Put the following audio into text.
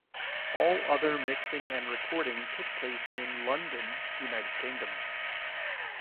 All other mixing and recording took place in London, United Kingdom.